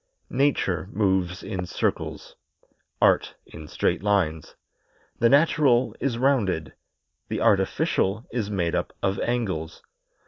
Nature moves in circles; Art in straight lines. The natural is rounded; the artificial is made up of angles.